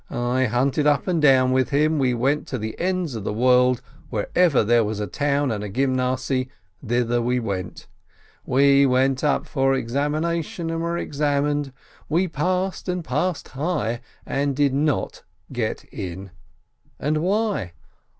I hunted up and down with him; we went to the ends of the world, wherever there was a town and a Gymnasiye, thither went we! We went up for examination, and were examined, and we passed and passed high, and did not get in — and why